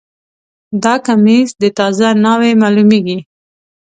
دا کمیس د تازه ناوې معلومیږي